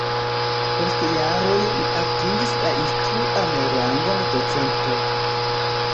Post jaroj li atingis la instruan rangon docento.